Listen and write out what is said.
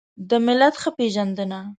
د ملت ښه پېژندنه